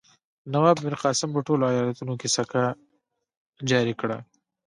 نواب میرقاسم په ټولو ایالتونو کې سکه جاري کړه.